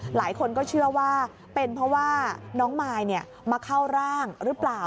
หลายคนก็เชื่อว่าเป็นเพราะว่าน้องมายมาเข้าร่างหรือเปล่า